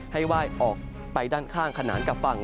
ให้ไหว้ออกไปด้านข้างขนานกับฝั่ง